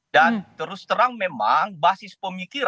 dan terus terang memang basis pemikiran kemudian juga materi